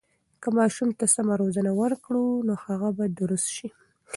که ماشوم ته سمه روزنه ورکړو، نو هغه به درست شي.